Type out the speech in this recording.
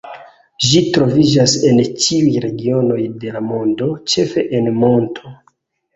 Ĝi troviĝas en ĉiuj regionoj de la mondo, ĉefe en monto.